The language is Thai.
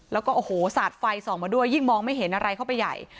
แล้วก็โอ้โหสาดไฟส่องมาด้วยยิ่งมองไม่เห็นอะไรเข้าไปใหญ่